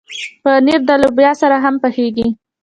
پنېر د لوبیا سره هم پخېږي.